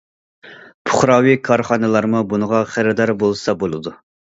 پۇقراۋى كارخانىلارمۇ بۇنىڭغا خېرىدار بولسا بولىدۇ.